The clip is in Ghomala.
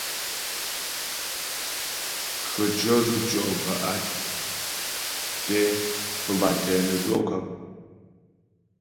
Khətʉɔ̌ dzʉtʉɔ' bə́́ bâ tɛ nə́ dwɔ' kap.